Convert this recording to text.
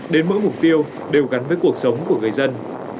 đến mỗi mục tiêu đều gắn với cuộc sống của người dân